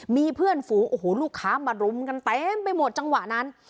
มีเพื่อนฝูงโอ้โหลูกค้ามารุมกันเต็มไปหมดจังหวะนั้น